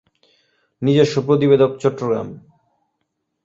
নিজস্ব প্রতিবেদকচট্টগ্রাম